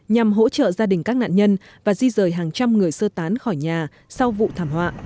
nhằm hỗ trợ gia đình các nạn nhân và di rời hàng trăm người sơ tán khỏi nhà sau vụ thảm họa